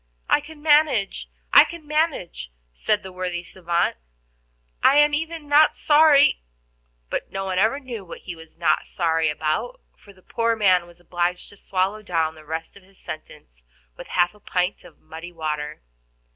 "I can manage, I can manage," said the worthy savant. "I am even not sorry " But no one ever knew what he was not sorry about, for the poor man was obliged to swallow down the rest of his sentence with half a pint of muddy water.